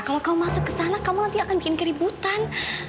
kalau kau masuk ke sana kamu nanti akan bikin keributan